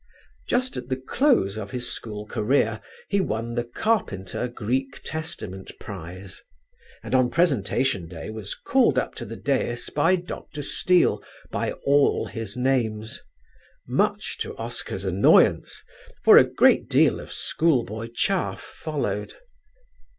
Just at the close of his school career he won the 'Carpenter' Greek Testament Prize, and on presentation day was called up to the dais by Dr. Steele, by all his names much to Oscar's annoyance; for a great deal of schoolboy chaff followed.